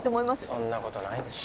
そんなことないでしょ。